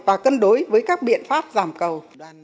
và cân đối với các biện pháp giảm cầu